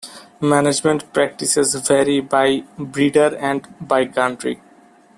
Management practices vary by breeder and by country.